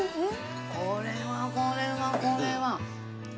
これはこれはこれは。